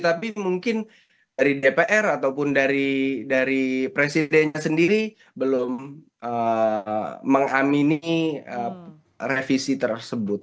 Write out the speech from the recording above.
tapi mungkin dari dpr ataupun dari presiden sendiri belum mengamini revisi tersebut